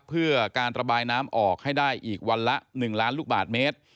เพื่อการระบายน้ำออกให้ได้อีกวันละ๑ล้านลูกบาทเมตร